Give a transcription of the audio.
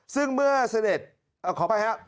ซึ่งเมื่อเสด็จขออภัยครับ